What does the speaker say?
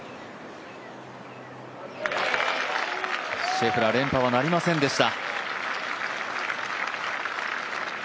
シェフラー、連覇はなりませんでした。